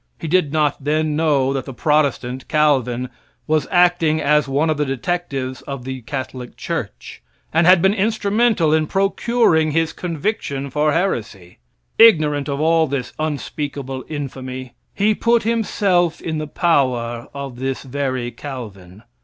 He did not then know that the Protestant, Calvin, was acting as one of the detectives of the Catholic church, and had been instrumental in procuring his conviction for heresy. Ignorant of all this unspeakable infamy, he put himself in the power of this very Calvin.